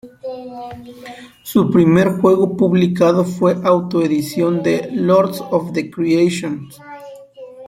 Su primer juego publicado fue la autoedición de "Lords of Creation".